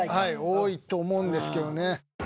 多いと思うんですけどね。